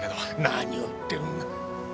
何を言ってるんだ。